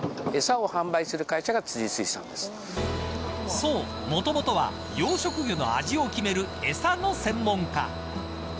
そう、もともとは養殖魚の味を決める餌の専門家。